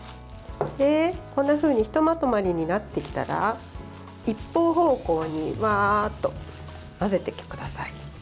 こんなふうにひとまとまりになってきたら一方方向にバーッと混ぜてください。